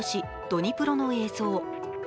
ドニプロの映像。